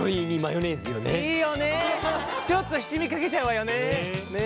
ちょっと七味かけちゃうわよね。